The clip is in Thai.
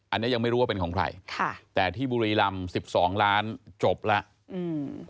อันนี้ยังไม่รู้ว่าเป็นของใครแต่ที่บุรีลำ๑๒ล้านจบแล้ว